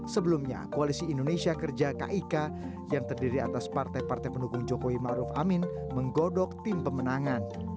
sebelumnya koalisi indonesia kerja kik yang terdiri atas partai partai pendukung jokowi maruf amin menggodok tim pemenangan